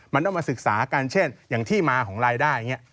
มันต้องมาศึกษากันเช่นอย่างที่มาของรายได้อย่างนี้